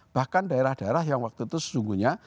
bahkan daerah daerah yang waktu itu sesungguhnya